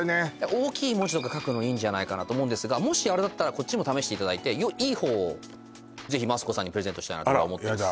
大きい文字とか書くのいいんじゃないかなと思うんですがもしあれだったらこっちも試していただいていいほうをぜひマツコさんにプレゼントしたいなとか思ってます